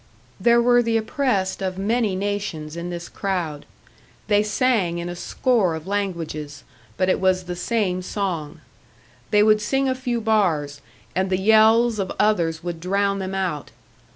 There were the oppressed of many nations in this crowd; they sang in a score of languages, but it was the same song. They would sing a few bars, and the yells of others would drown them out.